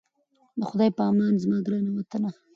د خدای په امان زما ګرانه وطنه😞